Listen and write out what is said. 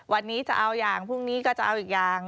วันนี้จะเอาอย่างพรุ่งนี้ก็จะเอาอีกอย่าง